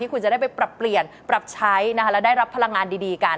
คุณจะได้ไปปรับเปลี่ยนปรับใช้และได้รับพลังงานดีกัน